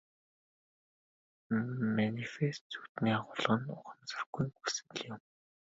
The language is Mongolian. Манифест зүүдний агуулга нь ухамсаргүйн хүсэл юм.